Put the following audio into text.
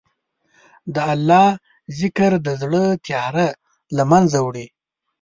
د الله ذکر د زړه تیاره له منځه وړي.